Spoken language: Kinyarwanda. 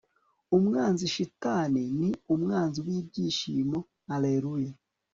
umwanzi shitani, ni umunsi w'ibyishimo, alleluya